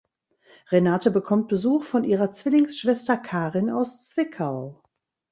Renate bekommt Besuch von ihrer Zwillingsschwester Karin aus Zwickau.